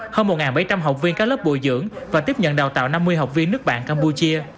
hơn một bảy trăm linh học viên các lớp bồi dưỡng và tiếp nhận đào tạo năm mươi học viên nước bạn campuchia